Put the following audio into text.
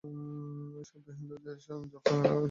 শব্দটি হিন্দুদের সঙ্গে জাফরান রঙ এ্যাসোসিয়েশন থেকে এসেছে।